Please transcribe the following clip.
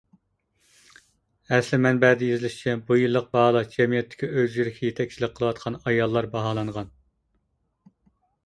ئەسلى مەنبەدە يېزىشىچە، بۇ يىللىق باھالاش جەمئىيەتتىكى ئۆزگىرىشكە يېتەكچىلىك قىلىۋاتقان ئاياللار باھالانغان.